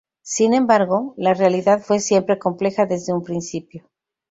Sin embargo, la realidad fue siempre compleja desde un principio.